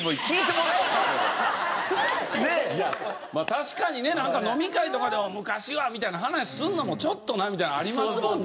確かにね飲み会とかでも「昔は」みたいな話するのもちょっとなみたいなのありますもんね。